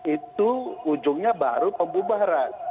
itu ujungnya baru pembubaran